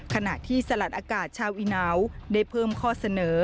ขณะที่สลัดอากาศชาวอีนาวได้เพิ่มข้อเสนอ